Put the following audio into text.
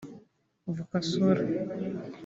‘Vuka Sula’